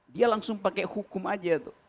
dia langsung pakai hukum saja